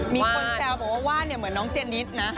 มีคนแซวบอกว่าว่าเหมือนน้องเจนิสนะ